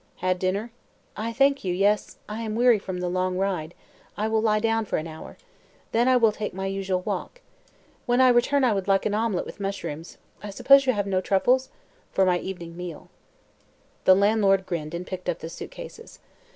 "Had dinner?" "I thank you, yes. I am weary from the long ride. I will lie down for an hour. Then I will take my usual walk. When I return I would like an omelet with mushrooms I suppose you have no truffles? for my evening meal." The landlord grinned and picked up the suit cases.